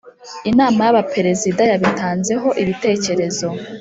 Inama y’Abaperezida yabitanzeho ibitekerezo